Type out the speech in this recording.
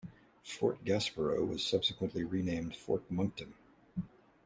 Fort Gaspareaux was subsequently renamed Fort Monckton.